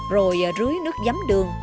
rồi rưới nước giấm đường